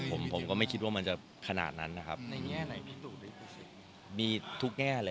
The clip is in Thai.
โดยเท้าไปไปนะครับหลังที่พี่ปิตโทพส์ไป